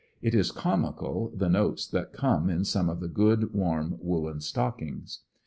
It is comical the notes that come in some of the good warm woolen stockings.